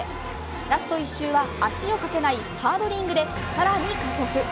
ラスト１周は足をかけないハードリングでさらに加速。